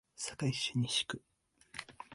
堺市西区